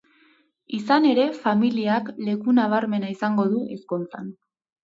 Izan ere, familiak leku nabarmena izango du ezkontzan.